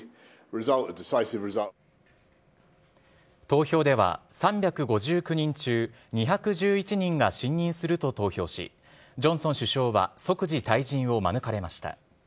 投票では、３５９人中２１１人が信任すると投票し、ジョンソン首相は即時退陣を免れました。